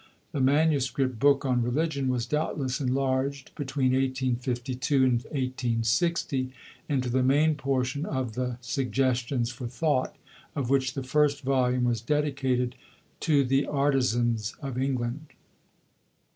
The manuscript book on "Religion" was doubtless enlarged between 1852 and 1860 into the main portion of the Suggestions for Thought, of which the first volume was dedicated "To the Artizans of England."